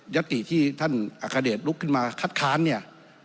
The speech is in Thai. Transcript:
ยัตติที่ท่านอัคเดชลุกขึ้นมาคัดค้านเนี่ย